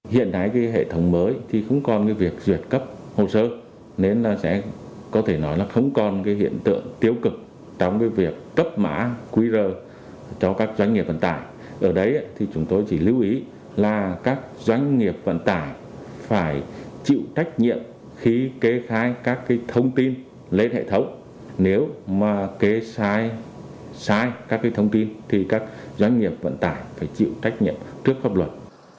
hai các thông tin thì các doanh nghiệp vận tải phải chịu trách nhiệm trước pháp luật